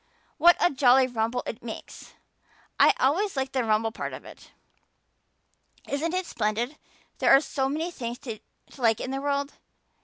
What a jolly rumble it makes! I always like the rumble part of it. Isn't it splendid there are so many things to like in this world?